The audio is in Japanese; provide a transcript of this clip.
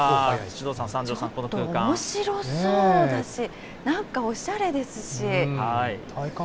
ちょっとおもしろそうだし、なんかおしゃれですし。